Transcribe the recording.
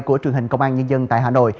của truyền hình công an nhân dân tại hà nội